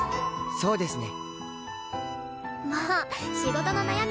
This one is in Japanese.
そうですね。